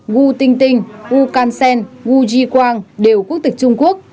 wu tinh tinh wu can sen wu ji guang đều quốc tịch trung quốc